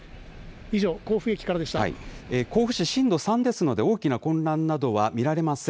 甲府市、震度３ですので、大きな混乱などは見られません。